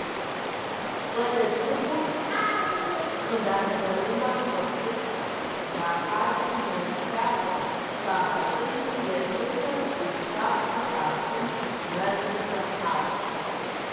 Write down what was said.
Щӏалэ цӏыкӏур хъыданжэрумэм кӏуэцӏылъу здахьати, мэз лъапэм щагъэтӏылъри, езыхэр гущапхъэ хахыну мэзым хыхьащ.